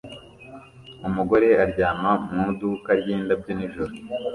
Umugore aryama mu iduka ryindabyo nijoro